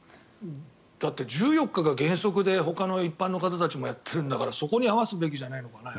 だって１４日が原則でほかの一般の人たちもやっているのでそこに合わせるべきじゃないかと。